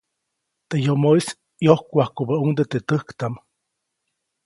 Teʼ yomoʼis ʼyojkwajkubäʼuŋde teʼ täjktaʼm.